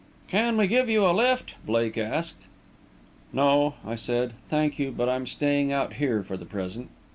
"Can we give you a lift?" Blake asked. "No," I said, "thank you; but I'm staying out here for the present."